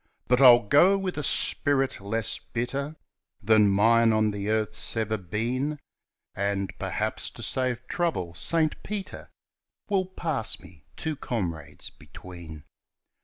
But I'll go with a spirit less bitter Than mine on this earth's ever been. And. perhaps, to save trouble, Saint Peter Will pass me, two comrades between.